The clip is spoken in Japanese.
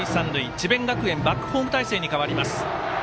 智弁学園、バックホーム態勢に変わります。